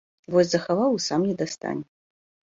Вось захаваў і сам не дастане!